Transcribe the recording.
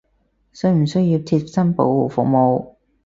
需唔需要貼身保護服務！？